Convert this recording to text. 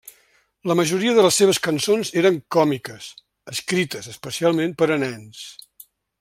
La majoria de les seves cançons eren còmiques, escrites especialment per a nens.